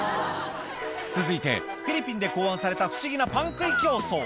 続いてフィリピンで考案された不思議なパン食い競争